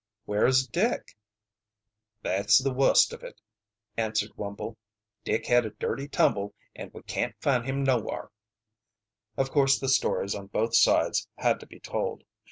"Where is Dick?" "Thet's the wust on it," answered Wumble. "Dick had a dirty tumble, and we can't find him nowhar." Of course the stories on both sides had to be told.